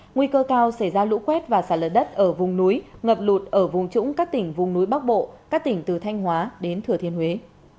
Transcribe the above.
nguy cơ cao xảy ra lũ quét và xả lở đất ở vùng núi ngập lụt ở vùng trũng các tỉnh vùng núi bắc bộ các tỉnh từ thanh hóa đến thừa thiên huế